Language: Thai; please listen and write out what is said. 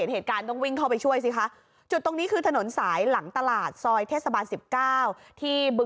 เหตุการณ์นี้เขาขี่แข่งกันมาครับ